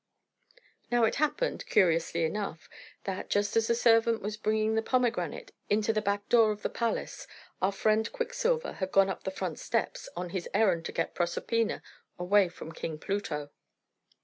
Now it happened, curiously enough, that, just as the servant was bringing the pomegranate into the back door of the palace, our friend Quicksilver had gone up the front steps, on his errand to get Proserpina away from King Pluto.